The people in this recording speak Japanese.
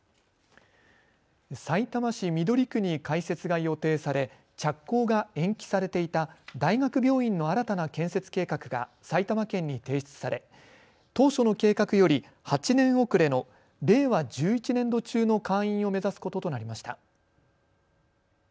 さいたま市緑区に開設が予定され着工が延期されていた大学病院の新たな建設計画が埼玉県に提出され当初の計画より８年遅れの令和１１年度中の開院を目指すこととなりました。